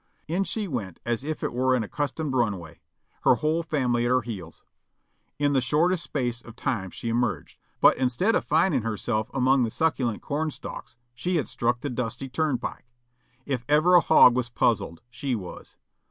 In she went as if it were an accustomed runway, her whole family at her heels. In the shortest space of time she emerged ; but instead of finding herself among the succulent corn stalks she had struck the dusty turnpike. If ever a hog was puzzled, she was.